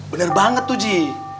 bener banget tuh ji